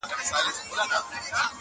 والوتل خوبونه تعبیرونو ته به څه وایو!